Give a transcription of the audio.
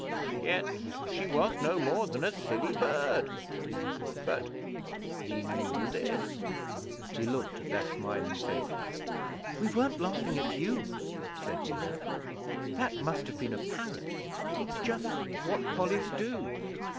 Yet she was no more than a silly bird. But ye knew this?' He looked at their smiling faces. 'We weren't laughing at you,' said Una. 'That must have been a parrot. It's just what Pollies do.'